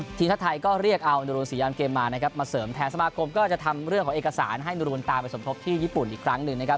ทีมชาติไทยก็เรียกเอานุรุนศรียานเกมมานะครับมาเสริมแทนสมาคมก็จะทำเรื่องของเอกสารให้นุรูนตามไปสมทบที่ญี่ปุ่นอีกครั้งหนึ่งนะครับ